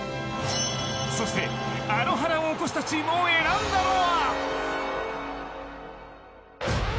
そして、あの波乱を巻き起こしたチームを選んだのは。